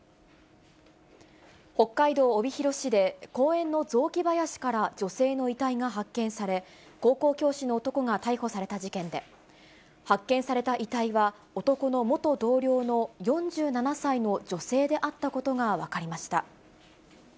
北海道帯広市で、公園の雑木林から女性の遺体が発見され、高校教師の男が逮捕された事件で、発見された遺体は、男の元同僚の４７歳の女性であったことが分かりました。